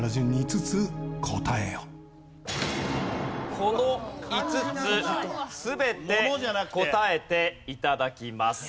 この５つ全て答えて頂きます。